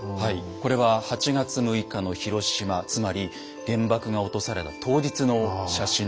これは８月６日の広島つまり原爆が落とされた当日の写真です。